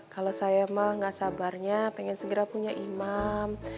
kalau saya mas enggak sabarnya pengen segera punya imam